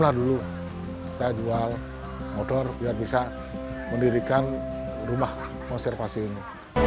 nah dulu saya jual motor biar bisa mendirikan rumah konservasi ini